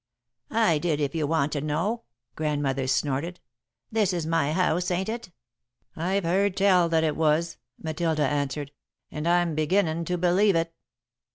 "I did, if you want to know," Grandmother snorted. "This is my house, ain't it?" "I've heard tell that it was," Matilda answered, "and I'm beginnin' to believe it."